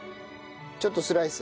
ちょっとスライス？